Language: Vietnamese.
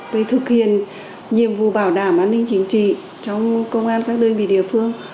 về thực hiện nhiệm vụ bảo đảm an ninh chính trị trong công an các đơn vị địa phương